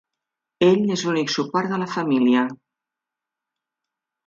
Ell és l'únic suport de la família.